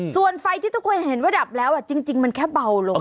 ส่วนไฟที่ทุกคนเห็นว่าดับแล้วจริงมันแค่เบาลง